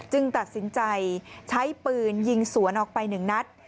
ตัดสินใจใช้ปืนยิงสวนออกไปหนึ่งนัด